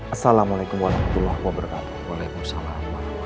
assalamualaikum warahmatullahi wabarakatuh